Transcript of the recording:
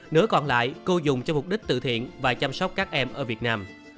nữ còn lại cô dùng cho mục đích tự thiện và chăm sóc các em ở việt nam